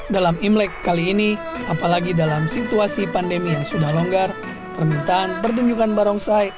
dalam imlek kali ini apalagi dalam situasi pandemi yang sudah longgar permintaan pertunjukan barongsai